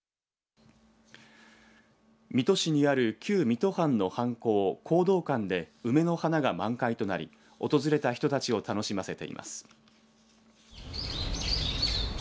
水戸市にある旧水戸藩の藩校、弘道館で梅の花が満開となり訪れた人たちを楽しませています。